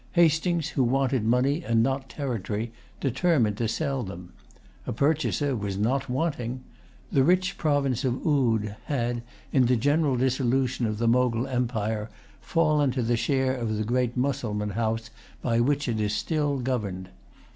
Hastings, who wanted money and not territory, determined to sell them. A purchaser was not wanting. The rich province of Oude had, in the general dissolution of the Mogul Empire, fallen to the share of the great Mussulman house by which it is still governed.